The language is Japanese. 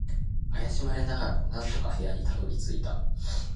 怪しまれながらも、なんとか部屋にたどり着いた。